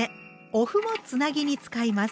お麩もつなぎに使います。